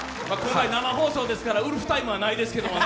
生放送ですからウルフタイムはないですけどね。